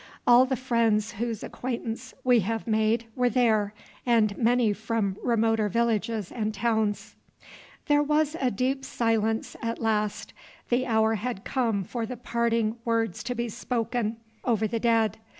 All the friends whose acquaintance we have made were there, and many from remoter villages and towns. There was a deep silence at last. The hour had come for the parting words to be spoken over the dead.